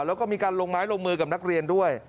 แล้วก็มีการลงไม้ลงมือกับนักเรียนด้วย